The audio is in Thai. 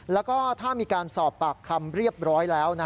แล้วก็ถ้ามีการสอบปากคำเรียบร้อยแล้ว